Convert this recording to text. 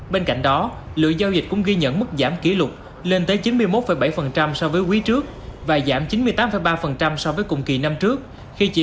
bên cạnh đó lựa giao dịch cũng ghi nhận mức giảm kỷ lục